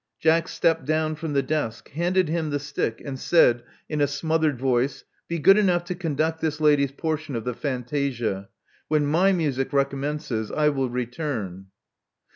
Jack stepped down from the desk; handed him the stick; and said in a smothered voice, Be good enough to conduct this lady's portion of the fantasia. When my music recommences, I will return."